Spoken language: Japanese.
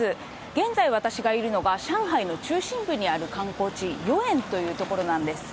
現在、私がいるのが、上海の中心部にある観光地、豫園という所なんです。